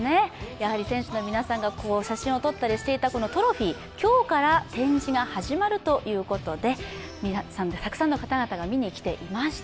やはり選手の皆さんが写真を撮ったりしていたこのトロフィー、今日から展示が始まるということでたくさんの方々が見に来ていました。